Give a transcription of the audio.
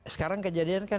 sekarang kejadian kan